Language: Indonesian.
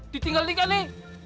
ditinggal nih kali